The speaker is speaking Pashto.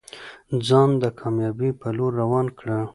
ځان د کامیابۍ په لور روان کړه.